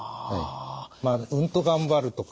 うんと頑張るとか